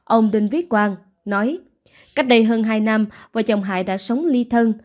ông đinh viết quang nói cách đây hơn hai năm vợ chồng hải đã sống ly thân